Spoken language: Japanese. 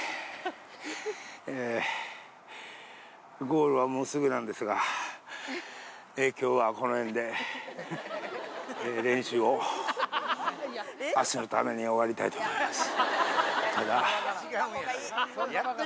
ゴールはもうすぐなんですが、きょうはこのへんで、練習をあしたのために終わりたいと思います。